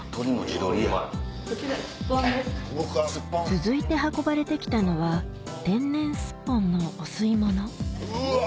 続いて運ばれて来たのは天然すっぽんのお吸い物うわ！